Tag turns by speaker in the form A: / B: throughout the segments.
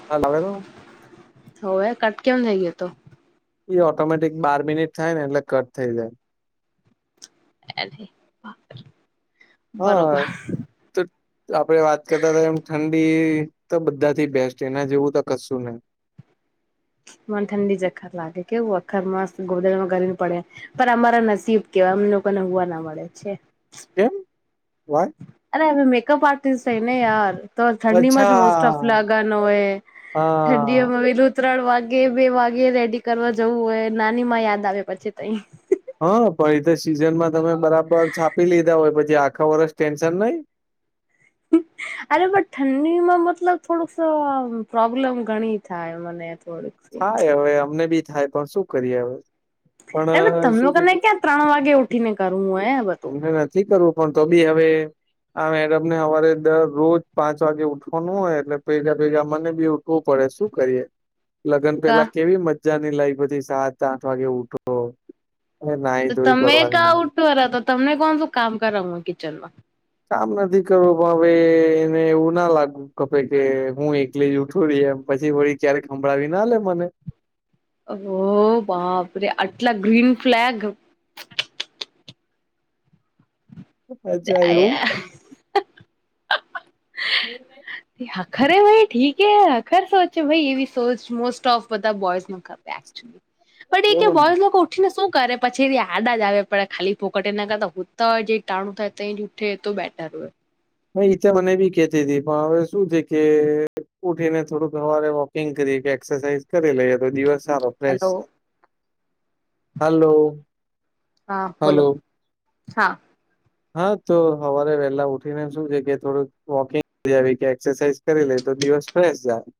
A: [unintelligible]
B: હોવે કટ કેમ થઈ ગયો હતો?
A: ઈ ઓટોમેટિક બાર મિનિટ થાય ને એટલે કટ થઈ જાય.
B: [unintelligible] બરોબર
A: હા તો આપડે વાત કરતા હતા એમ ઠંડી તો બધાથી બેસ્ટ એના જેવું તો કશું નહી
B: મને ઠંડી જ હખર લાગે કેવું હખર મસ્ત ગોદરામાં ગરી પડ પણ અમારા નસીબ કેવા અમ લોકોને હુવા ના મળે છે
A: કેમ હોય?
B: અરે હવે મેકઅપ આર્ટિસ્ટ હઈ ને યાર તો ઠંડીમાં
A: અચ્છા
B: જ મોસ્ટ ઓફ લગનો હોય
A: હા
B: ઠંડી [inaudible] ત્રણ વાગે બે વાગે રેડી કરવા જવું હોય નાની માં યાદ આવે પછી તઈ
A: હા પણ એતે સીઝનમાં તમે બરાબર છાપી લીધા હોય પછી આખા વર્ષ ટેન્શન નહી.
B: [inaudible] અરે પણ ઠંડીમાં મતલબ થોડુંક પ્રોબ્લેમ ઘણી થાય મને થોડીક
A: થાય હવે અમને બી થાય પણ શું કરીએ હવે? પણ
B: અરે તમ
A: શું
B: લોકો
A: છે
B: ને
A: કે
B: ક્યાં ત્રણ વાગે ઉઠી ને કરું હે એ બધું
A: અમને નથી કરવું પણ તો બી હવે આ મેડમ ને હવારે દર રોજ પાંચ વાગે ઉઠવાનું હોય એટલે ભેગા ભેગા મને બી ઉઠવું પડે શું કરીએ?
B: [inaudible]
A: લગ્ન
B: કા
A: પેલા કેવી મજાની લાઈફ હતી પછી સાત આઠ વાગે ઉઠતો. અને
B: તો
A: નાહી ધોઈ
B: તમે
A: પરવારી
B: [inaudible] તમને કોણ શું કામ કરાવું કિચનમાં?
A: કામ નથી કરવું પણ એને એવું ના લાગું- - ખપે કે હું એકલી જ ઉઠું રી એમ પછી વળી ક્યારે હભળાવી ના લે મને
B: ઓહ બાપરે અટલા ગ્રીન ફ્લેગ.
A: અચ્છા એવું
B: [unintelligible]
A: [unintelligible]
B: એ હખરે ઠીક એ હખર સોચે ભાઈ એવી સોચ મોસ્ટ ઓફ બધા બોયઝ ન [inaudible] બટ એ કે
A: એવું
B: [inaudible] લોકો ઉઠી ને શું કરે પછી એ આડા જ આવે પડયા ખાલી ફોકટ ના કરતા હુતા હોય જઈ ટાણું થાય તઈ જ ઉઠે તો બેટર હોય.
A: હ ઈ તો મને બી કેતી તી પણ હવે શું છે કે ઉઠી ને થોડુંક સવારે વોકિંગ કરી કે એક્સરસાઇઝ કરી લઈએ તો દિવસ સારો ફ્રેશ
B: હેલો
A: હલો
B: હા બોલો
A: હલો- -
B: હા.
A: હા તો હવારે વહેલા ઉઠીને શું છે કે થોડુંક વોકિંગ કે એક્સરસાઇઝ- - કરી લે તો દિવસ ફેશ જાય- -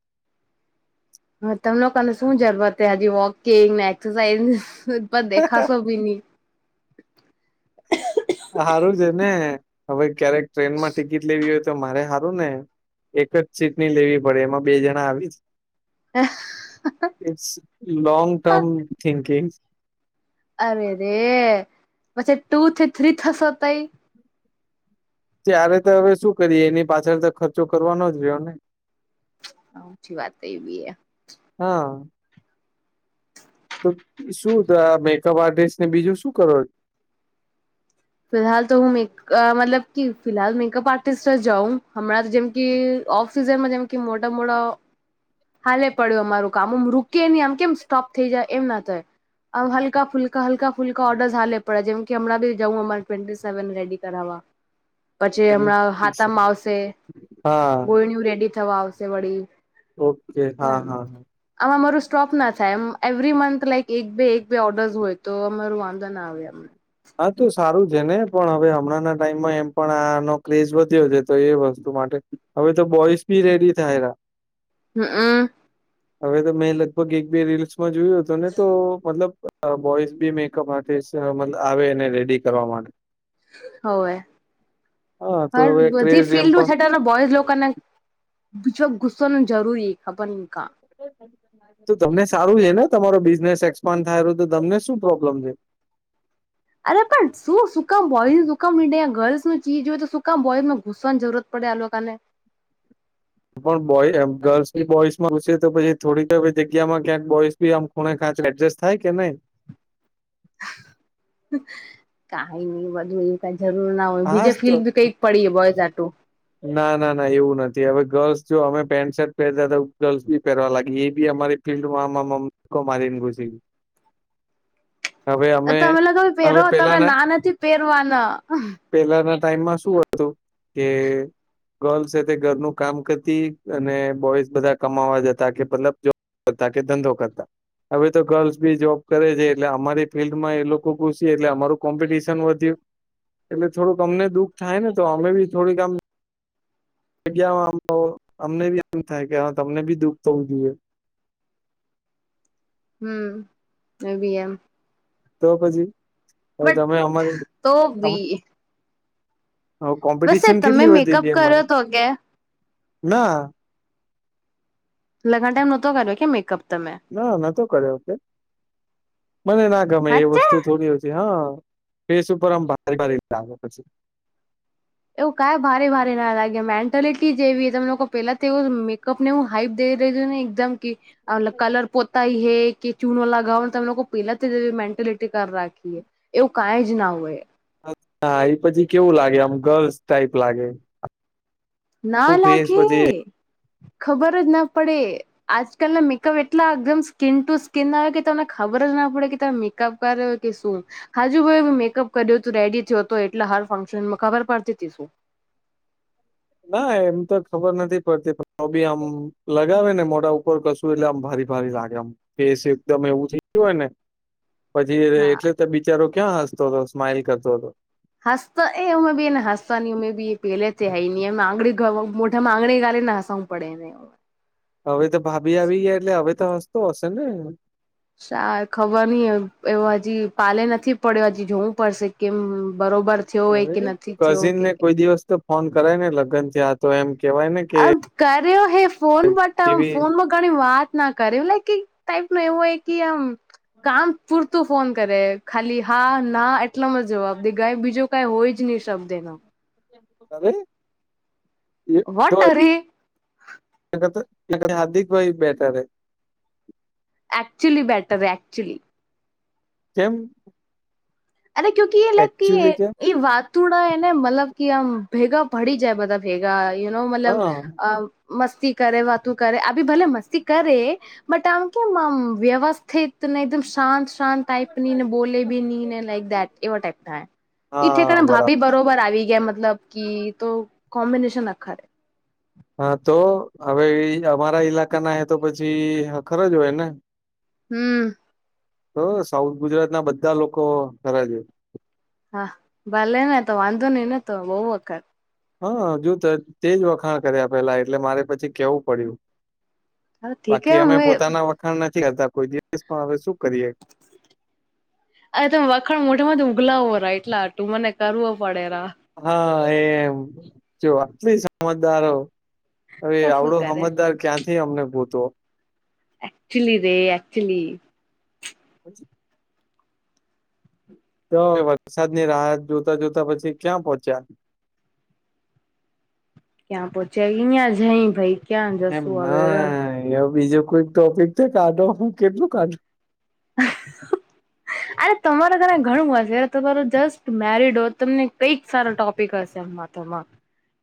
B: હા તમ લોકોને શું જરૂરત હે હજી વોકિંગ ને એક્સરસાઇઝ પણ દેખાશો બી ની.
A: હારું છે ને હવે ક્યારેક ટ્રેન માં ટિકિટ લેવી હોય. તો મારે હારું ને એક જ ચીટણી લેવી પડે એમાં બે જણા આવી.
B: [inaudible]
A: ઇટ્સ લોંગ
B: હા
A: ટર્મ થિંકિંગ.
B: અરે રે પછી ટુ થી થ્રી થસો તઈ.
A: ત્યારે તો હવે શું કરીએ એની પાછળ તો ખર્ચો કરવાનો જ રહ્યો ને- -
B: ઓછી વાત તો એ બી એ- -
A: હા. તો શું દ આ મેકઅપ આર્ટિસ્ટ ને બીજું શું કરો?
B: ફિલહાલ તો હું મેક અ મતલબ કે ફિહાલ મેકઅપ આર્ટિસ્ટ જ હવુ હમણાં જેમ કી ઓફ- - સિઝન માં જેમ કે મોટા મોળો- - હાલે પડ્યું અમારું કામ ઓમ રૂકી નહી આમ કેમ સ્ટોપ થઈ જાય એમ ના થાય. અ હલકા ફુલકા હલકા ફુલકા ઓર્ડરઝ હાલે પડયા જેમ કી હમણાં બી- - જઉ અમારે ટ્વેન્ટી સેવન રેડી કરાવવા. પછી હમણાં હાથમાં આવશે
A: હા
B: ગોયણું રેડી થવા આવશે વળી.
A: ઓકે
B: તો
A: હા
B: એમ
A: હા હા.
B: આમાં અમારું સ્ટોપ ના થાય અમ એવરી મંથ લાઈક એક બે એક બે ઓર્ડર્સ હોય તો અમારું વાંધ- - ત ના આવયા - -
A: હા તો સારું છે ને પણ હવે હમણાં ના ટાઈમમાં એમ પણ આનો ક્રેઝ વધ્યો છે તો એ વસ્તુ માટે- - હવે તો બોઇસ ભી રેડી થાયરા.
B: હું.
A: હવે તો મેં લગભગ એક બે રીલ્સમાં જોયું હતું ને તો મતલબ અ બોઈઝ બી મેકઅપ આર્ટિસ્ટ અ મતલબ આવે એને રેડી કરવા માટે
B: હોવે
A: હા
B: હવે
A: તો
B: બધી
A: ક્રેઝ એમ પણ
B: ફિલ્ડમાં [inaudible] બોયઝ લોકોને જો ઘુસ્સોનું જરૂરી ખબર ન કા.
A: તો તમને સારું છે ને તમારો બિઝનેસ એક્સપાન્ડ થાય તો તમને શું પ્રોબ્લેમ છે.
B: અરે પણ શું સુકામ બોયઝ સુકામ વિડયા ગર્લ્સ નું ચીજ હોય તો સુકામ બોયઝ ને ઘુસવાની જરૂરત પડે આ લોકાને
A: પણ બોય એમ ગર્લ્સની બોઈસ માં ઘૂસે તો પછી થોડી જ તો જગ્યામાં ક્યાંક બોઈસ કે આમ ખૂણે ખાંચે એકજેસ્ટ થાય કે નહી.
B: કઈ ની બધું. કાય જરૂર ના હોય
A: હા
B: બીજે
A: તો
B: ફિલ્ડ કઈક પડી એ બોયઝ હાટું
A: ના ના ના એવું નથી હવે ગર્લ્સ જો હવે પેન્ટ શર્ટ પહેરતા તો ગર્લ્સ બી પહેરવા લાગી એ બી અમારી ફિલ્ડમાં આમ આમ આમ મુકો મારીને ઘુસી.
B: [unintelligible]
A: હવે
B: અ
A: અમે
B: તમે લોકો
A: હવે
B: પહેરો તને
A: પેલાના
B: ના નથી પહેરવાના
A: પેલાના ટાઈમમાં શું હતું કે. ગર્લ્સ તે ઘરનું કામ કરતી અને બોયઝ બધા કમાવા જતા કે મતલબ જોબ કરતા કે ધંધો કરતા હવે તો ગર્લ્સ બી જોબ કરે છે એટલે અમારી ફિલ્ડ માં એ લોકો ઘુસી એટલે અમારું કોમ્પિટિશન વધ્યું. એટલે થોડુંક અમને દુઃખ થાય ને તો અમે બી થોડીક આમ. જગ્યા મા અમને બી એમને બી એમ થાય કે હવે તમને બી દુઃખ થવું જોઈએ.
B: હમ એમ ભી એમ.
A: તો પછી પણ
B: બટ
A: તમે અમારી.
B: તો બી
A: હોવ
B: વસે
A: કોમ્પિટિશન
B: તમે
A: કેટલી વધી
B: મેકઅપ
A: ગઈ
B: કર્યો
A: અમારે
B: તો કે
A: ના
B: લગન ટાઈમે નોતો કરયો કે મેકઅપ તમે
A: ના નતો કર્યો કે મને ના ગમે એ
B: હાચે
A: વસ્તુ થોડી હા ફેસ ઉપર આમ ભારી ભારી લાગે પછી
B: એવું કાઇ ભારે ભારે ના લાગે મેન્ટાલિટી જેવી તમે લોકો પેલા તોવું મેકઅપ ને હું હાઈપ દઈ રહી છું ને એકદમ કે કલર પોતાય હે કે ચુનો લગાવો તમે લોકો પેલા મેન્ટાલિટી રાખીએ એવું કાઈ જ ના હોય.
A: હા એ પછી કેવું લાગે આમ ગર્લ્સ ટાઈપ લાગે.
B: ના
A: આખું ફેસ
B: લાગે,
A: પછી
B: ખબર જ ના પડે. આજકાલના મેકઅપ એટલા એકદમ સ્કીિન ટુ સ્કીિન આવે કે તમને ખબર જ ના પડે કે તમે મેકઅપ કર્યો કે શું? હજુ ભાઈ મેકઅપ કર્યો હતો રેડી થયો હતો એટલે હર ફંક્શન ખબર પડતી હતી?
A: ના એમ તો ખબર નથી પડતી બી આમ લગાવે ને મોટા ઉપર કશું શું એટલે આમ ભારી ભારી લાગે આમ ફેસ એકદમ એવું થઇ ગયું હોય ને પછી
B: હા
A: એટલે તો બિચારો ક્યાં હસતો હતો સ્માઈલ કરતો હતો.
B: હસતા એ અમે બી એને હસતા અમે બી એ પેલેથી હય નહ એ મોઢામાં આંગળી ઘાલીને હસાવુ પડે.
A: હવે તો ભાભી આવી ગયા એટલે હવે તો હસતો હશેને?
B: સા ખબર નહિ એવો હજી પાલે નથી પડ્યો હજી જોવું પડશે કેમ બરોબર થયો હોય
A: અરે
B: કે નથી થયો
A: કઝિન
B: કે
A: ને કોઈ દિવસ તો ફોન કરે ને લગ્ન થયા આ તો એમ કેવાય ને કે
B: અ કર્યો હે ફોન બટ
A: એવી
B: ફોન વાત ના કરે એવું હો કે આમ કામ પૂરતું ફોન કરે ખાલી હા ના એટલામાં જ જવાબ દે કાય બીજો કઈ હોય જ નહી શબ્દ એનો.
A: અરે એ તો
B: વોટ અરે
A: હાર્દિક ભાઈ બેટર હૈ.
B: એક્ચુઅલી બેટર એકક્ચુઅલી
A: તેમ
B: અને કુ એ લક એ
A: એકચુલી કેમ
B: એ વાતુડા એને મતલબ કે આમ ભેગા ભડી જાય બધા ભેગા યુનો મતલબ
A: હા
B: અ મસ્તી કર વાતું કરે આભી ભલે મસ્તી કરે બટ અમકેમ વ્યવસ્થિતને એકમ શાંત શાંત ટાઇપની ને બોલે ભી નહીં લાઈક. એવા ટાઈપ થાય. એ
A: હા
B: ઠેકાણે ભાભી
A: બરાબર
B: બરોબર આવી ગયા મતલબ કે તો કોમ્બિનેશન આખાે
A: હા તો હવે અમારા ઈલાકા ના હ તો પછી ખરો જ હોય ને
B: હમ.
A: તો સાઉથ ગુજરાતના બધા લોકો થરા છે.
B: હા ભલેને તો વાંધો નઈને તો બહુ વખત.
A: હા જો તો તેજ વખાણ કર્યા પેલા એટલે મારે પછી કેવું પડ્યું.
B: હા ઠીક હે
A: બાકી અમે
B: હવે
A: પોતાના વખાણ નથી લેતા કોઈ દિવસ પણ હવે શું કરીએ.
B: અરે તમે વખાણ મોઢામાંથી ઉગલાવો ર એટલા હાટું મને કરવો પડતા.
A: હા એમ જો આટલી સમજદાર છો. હવે
B: તો શું
A: આવડો
B: કરે.
A: હમદાર ક્યાંથી અમને ભૂતો
B: એકક્ચુલી રે એકક્ચુઅલી
A: [inaudible] તો વરસાદની રાહ જોતા જોતા પછી ક્યાં પહોંચ્યા.
B: ક્યાં પોહચ્યાં અઈંયા છે જઈ ભાઈ ક્યાં જશુ હ
A: એ બીજું કોઈક ટોપિક છે કાઢો હું કેટલું કાઢું.
B: [inaudible] અરે તમારે ઘરે ઘણું વાશે તમારો જસ્ટ મેરિડ હો તમને કંઈક સારા ટોપિક હશે એમાં.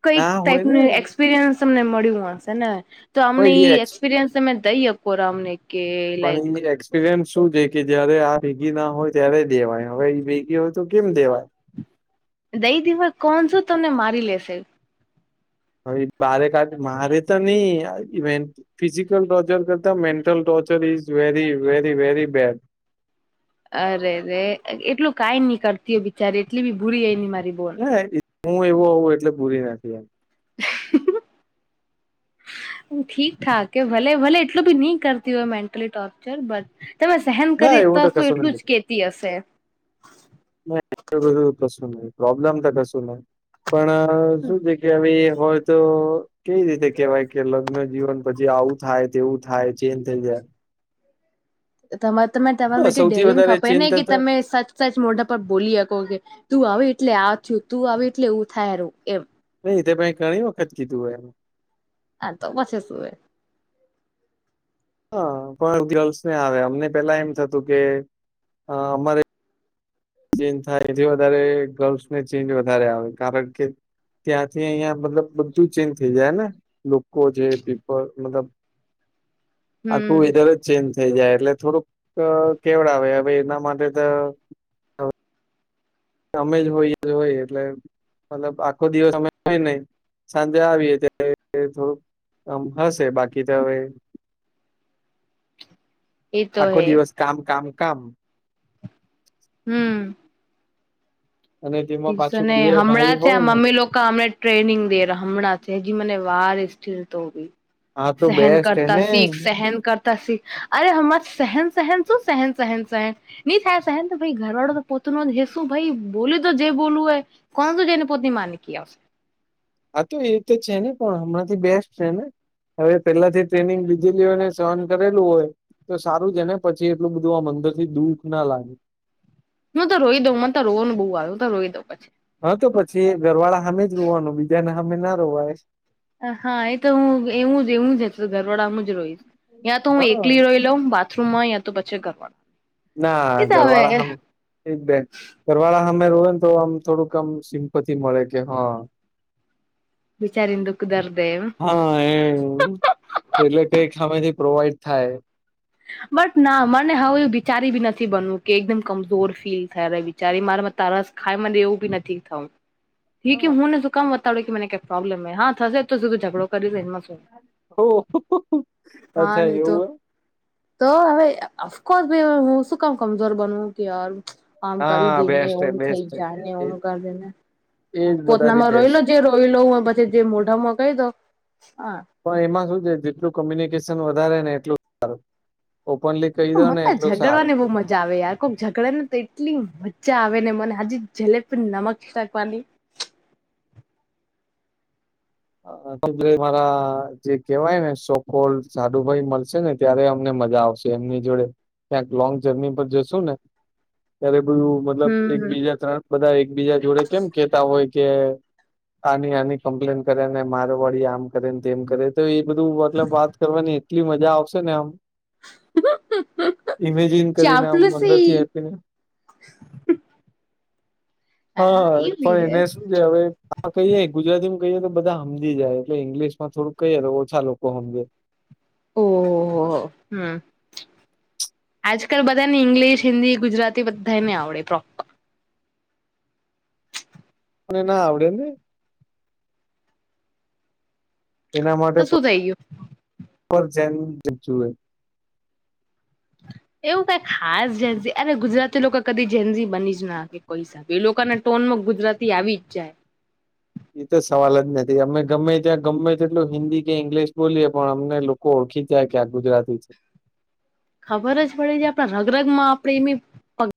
B: કઈક
A: ના હોય ને
B: ટાઈપનું એક્સપિરિયન્સ તમને મળ્યું હશે ને? તો અમને ઈ
A: હોય એ
B: એક્સપિરિયન્સ તમે દઈ આપકોમને કે લાઈક
A: એપરયન્સ શું છે કે જયારે આ ભેગી ના હોય ત્યારે દેવાય હવે ઈ ભેગી હોય તો કેમ દેવાય
B: દઈ દીવા કોણસો તમને મારી લેશે.
A: હવે બારે કાઢ મારે તો નહી ઇવે ફિઝિકલ ટોર્ચર કરતા mental torture is very very very bad
B: અરેરે એટલું કાઈ નહી કરતી હો બિચારી એટલી બી ભૂરી એય ની મારી બોન.
A: હું એવું હોું એટલે પૂરી નથી એ
B: હ [unintelligible] ઠીક ઠાક કે ભલે ભલે એટલું બી નહી કરતી હોય મેન્ટલી ટોર્ચર બટ તમે સહેન
A: ના
B: કરી
A: એવું
B: ત તો
A: કશું
B: એટલું જ કેતી હશે.
A: એ બધું કશું ન પ્રોબ્લેમ તો કશું નહી. પણ શું છે કેવે હોય તો કેવી રીતે કેવાય કે લગ્ન જીવન પછી આવું થાય તેવું થાય ચેન્જ થઈ જાય.
B: તમા મત તમાને
A: હ
B: માટેટી
A: સૌથી
B: ડેરિંગ
A: વધારે
B: ખપે ને
A: ચેન્જ
B: કે
A: થતા
B: તમે સચ સાચ મોઢા પર બોલી હકો કે તું આવે એટલે આ થયું તું આવે એટલે એવું થાય રહું એમ
A: નહી તો ભાઈ ઘણી વખત કીધું હોય એ
B: હા તો પછી શું એ.
A: હ પણ ગર્લ્સ ને આવે અમને પેલા એમ થતું કે અમારે ચેન્જ થાય એથી વધારે ગર્લ્સને ચેન્જ વધારે આવે કારણ કે ત્યાંથી અહિયાયા મતલ બધું ચેન્જ થઈ જાય ને લોકો જે પીપલ મતલબ
B: [inaudible]
A: આખું વેધર જ ચેન્જ થઈ જાય એટલે થોડુંક કેવડ આવે હવે એના માટે તો તો અમે જ હોય હોય એટલે મતલબ આખો દિવસ અમે હોય નહી. સાંજે આવીએ ત્યારે થોડ આમ હશે બાકી તો હવે
B: એ તો
A: આખો
B: હૈ
A: દિવસ કામ કામ કામ
B: હમ.
A: અને તેમાં
B: સો
A: પાછું
B: ને
A: બે ભાઈ
B: હમણાં છે
A: હોય
B: આ
A: ને
B: મમ્મી લોકો અમને ટ્રેનિંગ દે હમણાં સજી મને વાર સ્થિર તોવી
A: હા તો
B: સહેન
A: બેસ્ટ
B: કરતા
A: હેને
B: શીખ સહેન કરતા અરે હ સહેન સહેન શું સહેન સહેન સહેન નહી થાય સહેન ઘરવાળો તો પતનો હેસુ ભાઈ બોલી તો જેય બોલું હૈ કોનસો જેને પત્ની માની ક
A: આ તોું એ તો છે ને પણ હમણાં થી બેસ્ટ છે ને હવે પેલા થી ટ્રેનિંગ લીધેલી હોય ને સહન કરેલું હોય. તો સારું છે ને પછી એટલું બધું આ મંદર થી દુઃખ ના લાગે
B: હું તો રોઈ દઉં મને તો રોવાનું બહુ આવ તો રોઈ દઉં પછી.
A: હા તો પછી ઘરવાળા સામે જ રોવાનું બીજાને સામે ના રોવાય
B: હા એ તો હું એવું જ એવું જ ઘરવાડામાં જ રોઈશ તયાં તો હું
A: હા
B: એકલી રોઈ લઉં બા થ્રુ યા તોચ્ચે કરવાનું.
A: ના ઘરવાળા હમ એક બેન ઘવાળા અમે રોય ને તો આમ થોડુંક આમ સિમપતિ મળે કે હા
B: બિચારીન દુઃખ દરદેવ
A: હા એ એટલે કઈક સામેથી પ્રોવાઈડ થાય.
B: બટ ના મને હવે એવ વિચારી બી નથી બનવું કે એકદમ કમજોર ફીલ કરાવી. ચારી માર માં તારસ ખાય મને એવું બી નથી થઉ હી કે
A: હા
B: હુંને શું કામ બતાવડ્યો કે મ ક પ્રોબ્લેમ હા થશે તોધું ઝઘડો કરી એમાં
A: ઓહ
B: હા
A: અચ્છા
B: નહી તો
A: એવું એમ
B: તો હવે અફકોર્સ ભ હું શું કામ કમજોર બનવું કે યાર આમ કરી
A: હા
B: દે ને
A: બેસ્ટ
B: એમ
A: છે
B: થઈ
A: બેસ્ટ
B: જાય ને
A: છે
B: ઓમ કરી દે ને
A: એ
B: હ
A: એજ બધાથી
B: પોતનામાં રોઈ લો
A: બેસ્ટ
B: જે રોઈ લો હું પછી જે મોઢામાં કહી દઉ હા
A: પણ એમાં શું છે જેટલું કોમ્યુનિકેશન વધારે ને એટલું ઓપનલીક
B: મને ઝગડવા ને બહુ મજા આવે યાર ઝઘડે ને તો એટલી મજ્જા આવે ને મને હજી જલેબ નમક રાકવાની
A: મારા જે કેહેવાય ને શોકોલ જાદુભાઈ મળશે ને ત્યારે અમને મજા આવશે એમની જોડે ક્યાંક લોંગ જર્ની પર જશુ ને ત્યારે બધું મતલબ એક
B: હમ
A: બીજા તરફ બધા એકબીજા જોડે કેમ કેતા હોય કે આની આની કમ્પ્લેન કરે ને મારો વડી આમ કરે ને તેમ કરે તો એ બધું મતલબ વાત કરવાની એટલી મજા આવશે ને આમ. ઇમેજિન કરીને આમ અંદર
B: ચાપલુસી
A: થી આપીને. હા
B: એ ભી
A: પણ
B: હે
A: એને શું છે હવે આ કહીયે ગુજરાતીમાં કહીએ તો બધા સમજી જાય એટલે ઇંગ્લશ માં થોડું કઈએય તો ઓછા લોકો સમજે
B: ઓહહહ હમ. આજકાલ બધાને ઇંગ્લિશ હિન્દી ગુજરાતી બધાને આવડે પ્રો
A: મને ના આવડે ને એના માટે
B: તો શું થઈ ગયું
A: જે જોએ
B: એવું કઈ ખાસ ઝન્સી અને ગુજરાતી લોકો કદી ઝન્સી બની જ નાઅકે. કઈસાબ એ લોકો ના ટોન માં ગુજરાતી આવી જાય.
A: એ તો સવાલ જ નથી અમે ગમે ત્યાં ગમે તેટલું હિન્દી કે ઇંગ્લિશ બોલીયએ પણ અમને ઓળખી ત્યાં ક્યાં ગુજરાતી છે.
B: ખબર જ પડે જે આપણા રગરગ માં આપણે એમ